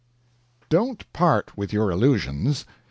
Don't part with your illusions.